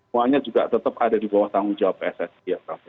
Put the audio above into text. semuanya juga tetap ada di bawah tanggung jawab pssi ya